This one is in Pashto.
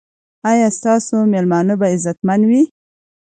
ایا ستاسو میلمانه به عزتمن وي؟